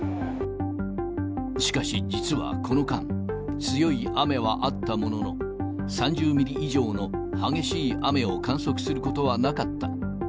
しかし実はこの間、強い雨はあったものの、３０ミリ以上の激しい雨を観測することはなかった。